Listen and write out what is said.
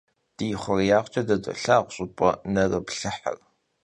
Di xhurêyağç'e de dolhağu ş'ıp'e — nerıplhıhır.